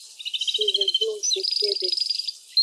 Shive glong kekede.